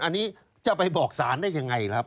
อันนี้จะไปบอกศาลได้ยังไงครับ